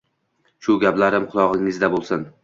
— Shu gaplarim qulog’ingizda bo’lsin.